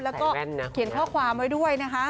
แล้วก็เขียนข้อความไว้ด้วยนะคะ